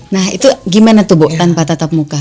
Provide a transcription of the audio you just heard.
nah itu gimana tuh bu tanpa tatap muka